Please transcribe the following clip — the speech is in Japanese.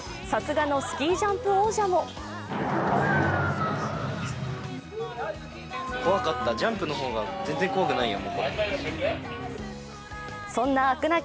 さすがのスキージャンプ王者もそんな飽く